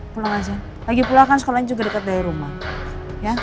pulang aja lagi pulang kan sekolahnya juga deket dari rumah ya